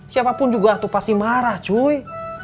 siapapun juga tuh pasti marah cuy